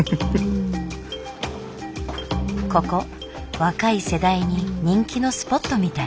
ここ若い世代に人気のスポットみたい。